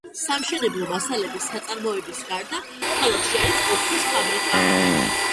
სამშენებლო მასალების საწარმოების გარდა ქალაქში არის ოქროს ფაბრიკა.